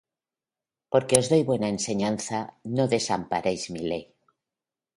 Porque os doy buena enseñanza; No desamparéis mi ley.